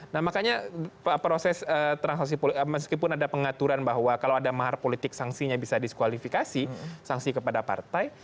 nah makanya proses transaksi politik meskipun ada pengaturan bahwa kalau ada mahar politik sanksinya bisa diskualifikasi sanksi kepada partai